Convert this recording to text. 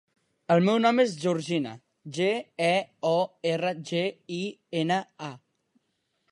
El meu nom és Georgina: ge, e, o, erra, ge, i, ena, a.